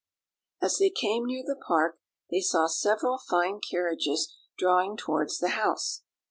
As they came near the park, they saw several fine carriages drawing towards the house.